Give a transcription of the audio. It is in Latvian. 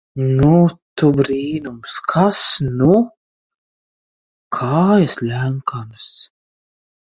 Nu, tu brīnums! Kas nu! Kājas ļenkanas...